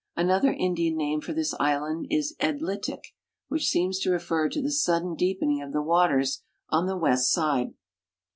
Another Indian name for this island is Edlitik, which seems to refer to the sudden deei)en ing of the waters on the west side.